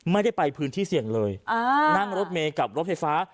ไม่ได้ไปพื้นที่เสี่ยงเลยนั่งรถเมย์กับรถไฟฟ้า